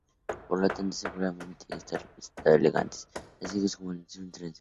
Por tanto seguramente estas representan elefantes asiáticos como se ha asumido tradicionalmente.